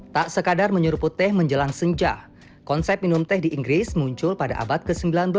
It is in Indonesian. tak sekadar menyeruput teh menjelang senja konsep minum teh di inggris muncul pada abad ke sembilan belas